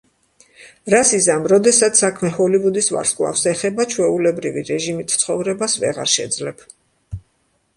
რას იზამ, როდესაც საქმე ჰოლივუდის ვარსკვლავს ეხება, ჩვეულებრივი რეჟიმით ცხოვრებას ვეღარ შეძლებ.